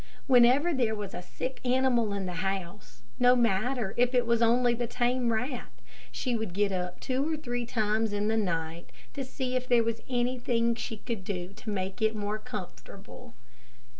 Whenever there was a sick animal in the house, no matter if it was only the tame rat, she would get up two or three times in the night, to see if there was anything she could do to make it more comfortable.